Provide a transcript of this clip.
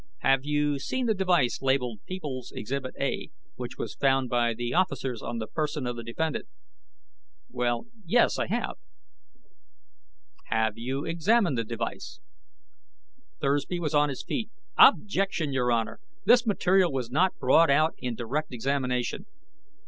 "Have you seen the device labeled People's Exhibit A, which was found by the officers on the person of the defendant?" "Well ... yes. I have." "Have you examined this device?" Thursby was on his feet. "Objection, Your Honor! This material was not brought out in direct examination!"